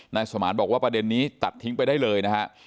นายสมานบอกว่าประเด็นนี้ตัดทิ้งไปได้เลยนะฮะ